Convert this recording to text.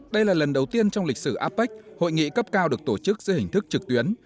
đây là lần đầu tiên trong lịch sử apec hội nghị cấp cao được tổ chức dưới hình thức trực tuyến